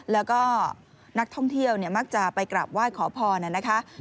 แล้วก็นักท่องเที่ยวมักจะไปกราบไหว้ขอพรนะคะ